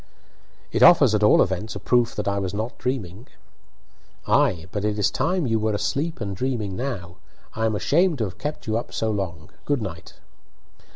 "It offers, at all events, a proof that I was not dreaming." "Ay, but it is time you were asleep and dreaming now. I am ashamed to have kept you up so long. Good night."